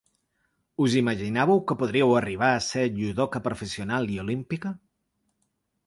Us imaginàveu que podríeu arribar a ésser judoka professional i olímpica?